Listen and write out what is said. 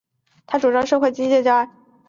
他主张社会主义的经济观。